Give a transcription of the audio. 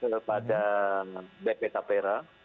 kepada bp tapera